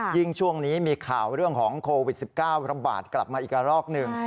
ช่วงนี้มีข่าวเรื่องของโควิด๑๙ระบาดกลับมาอีกละรอกหนึ่ง